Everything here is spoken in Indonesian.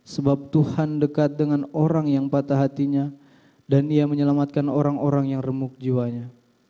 sebab tuhan dekat dengan orang yang patah hatinya dan ia menyelamatkan orang orang yang remuk jiwanya